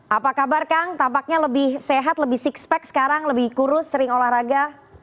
apa kabar kang tampaknya lebih sehat lebih sixpec sekarang lebih kurus sering olahraga